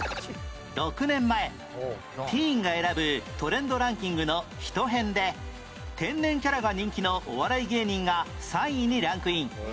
６年前ティーンが選ぶトレンドランキングの人編で天然キャラが人気のお笑い芸人が３位にランクイン